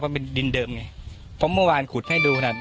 เป็นดินเดิมไงเพราะเมื่อวานขุดให้ดูน่ะ